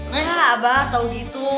neng abah tahu gitu